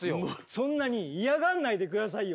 そんなにイヤがんないで下さいよ。